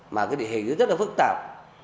mà cái địa hình rất là phức tạp